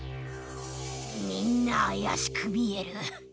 みんなあやしくみえる。